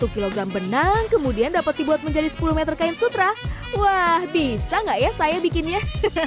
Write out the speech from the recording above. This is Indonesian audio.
satu kg benang kemudian dapat dibuat menjadi sepuluh meter kain sutra wah bisa nggak ya saya bikinnya